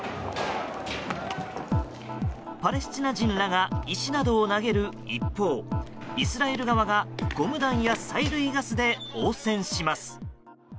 パレスチナ人らが石などを投げる一方イスラエル側がゴム弾や催涙ガスで応戦します。